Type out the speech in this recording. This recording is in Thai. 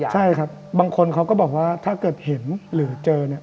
ใช่ครับบางคนเขาก็บอกว่าถ้าเกิดเห็นหรือเจอเนี่ย